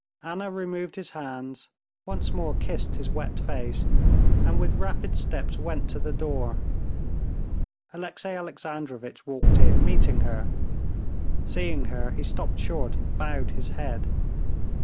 Anna removed his hands, once more kissed his wet face, and with rapid steps went to the door. Alexey Alexandrovitch walked in, meeting her. Seeing her, he stopped short and bowed his head.